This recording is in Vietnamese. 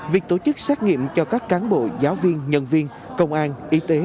việc tổ chức xét nghiệm cho các cán bộ giáo viên nhân viên công an y tế